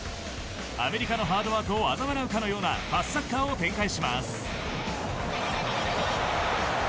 アメリカのハードワークをあざ笑うかのようなパスサッカーを展開します。